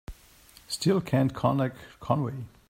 Still can't contact Conway.